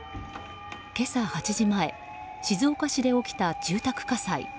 今朝８時前静岡市で起きた住宅火災。